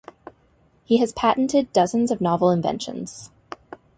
He has patented dozens of novel inventions.